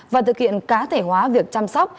và thực hiện cá thể hóa việc chăm sóc